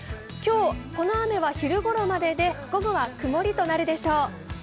今日、この雨は昼ごろまでで午後は曇りとなるでしょう。